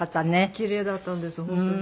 奇麗だったんです本当に。